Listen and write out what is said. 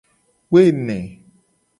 Woene.